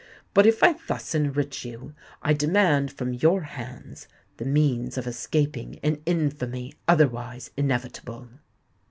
But if I thus enrich you, I demand from your hands the means of escaping an infamy otherwise inevitable."